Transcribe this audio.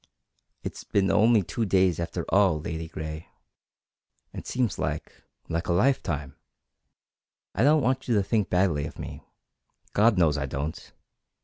"It's been only two days after all, Ladygray. It seems like like a lifetime. I don't want you to think badly of me. God knows I don't!"